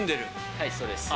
はい、そうです。